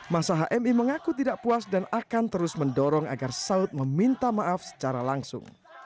masa hmi mengaku tidak puas dan akan terus mendorong agar saud meminta maaf secara langsung